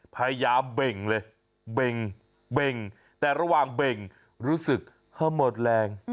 เบ่งเลยเบ่งเบ่งแต่ระหว่างเบ่งรู้สึกเหอะหมดแรง